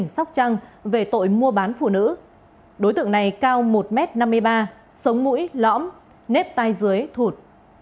sóc trăng về tội mua bán phụ nữ đối tượng này cao một m năm mươi ba sống mũi lõm nếp tai dưới thụt